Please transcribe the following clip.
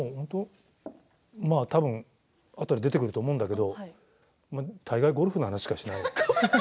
まあ、たぶんあとで出てくると思うんだけど大概、ゴルフの話しかしてない。